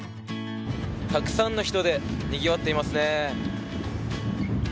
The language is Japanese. たくさんの人でにぎわっていますね。